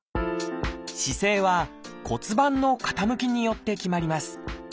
姿勢は骨盤の傾きによって決まります。